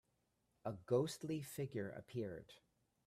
A ghostly figure appeared.